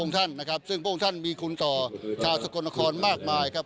สำหรับชาวสกลนครมากมายนะครับ